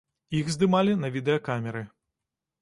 Іх здымалі на відэакамеры.